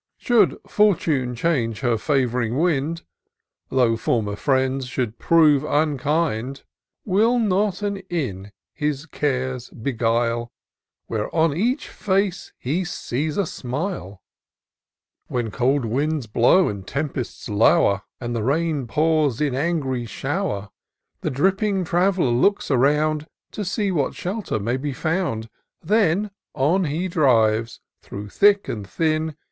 87 Should Fortune change her &v'ring wind, Though former friends should prove unkind, Will not an inn his cares beguile. Where on each face he sees a smile ? When cold winds blow, and tempests lower. And the rain pours in angry shower. The dripping trav'Uer looks around, To see what shelter may be found ; Then on he drives, through thick and thin.